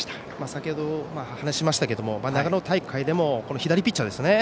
先程話しましたが長野大会でも左ピッチャーですね。